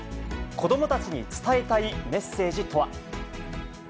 子どもたちに伝えたいメッセージとは。